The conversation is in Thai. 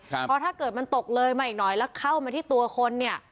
เพราะถ้าเกิดมันตกเลยมาอีกหน่อยแล้วเข้ามาที่ตัวคนเนี่ย